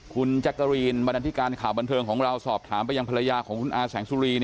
คุณแจ๊กกะรีนบรรดาธิการข่าวบันเทิงของเราสอบถามไปยังภรรยาของคุณอาแสงสุรี